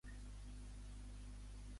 Què significava en inici Satan?